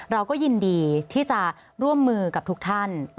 เราก็ยินดีที่จะร่วมมือกับทุกท่าน